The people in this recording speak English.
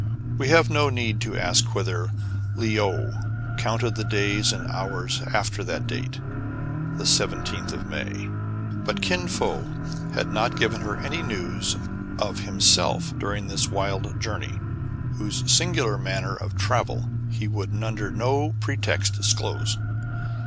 We have no need to ask whether Le ou counted the days and hours after that date, the 17th of May. But Kin Fo had not given her any news of himself during this wild journey, whose singular manner of travelling he would under no pretext disclose.